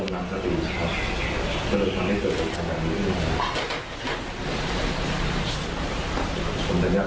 ไม่ดีกว่าในสัมพงษ์เลยนะครับ